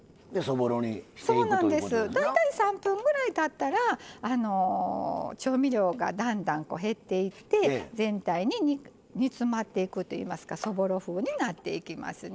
大体３分ぐらいたったら調味料が、だんだん減っていって全体に煮詰まっていくっていいますかそぼろ風になっていきます。